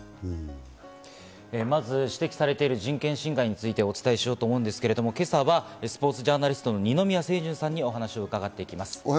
まず指摘されている人権侵害について、お伝えしようと思うんですけれども、今朝はスポーツジャーナリストの二宮清純さんにお話を伺っていきます。